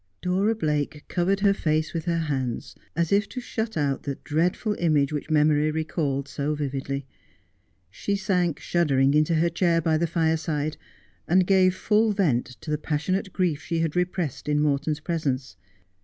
Dora Blake covered her face with her hands, as if to shut out that dreadful image which memory recalled so vividly. She sank shuddering into her chair by the fireside and gave full vent to the passionate grief she had repressed in Morton's presence.